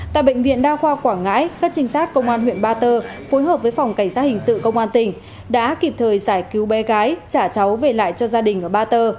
tại bệnh viện đa khoa quảng ngãi các trinh sát công an huyện ba tơ phối hợp với phòng cảnh sát hình sự công an tỉnh đã kịp thời giải cứu bé gái trả cháu về lại cho gia đình ở ba tơ